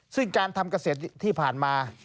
ซึ่งการทำเกษตรที่ผ่านมา